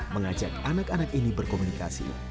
mengajak anak anak ini berkomunikasi